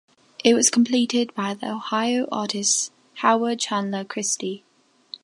It was completed by the Ohio artist Howard Chandler Christy.